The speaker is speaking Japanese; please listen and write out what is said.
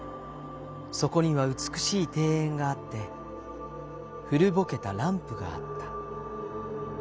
そこにはうつくしいていえんがあってふるぼけたランプがあった。